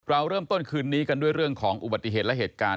เราเริ่มต้นคืนนี้กันด้วยเรื่องของอุบัติเหตุและเหตุการณ์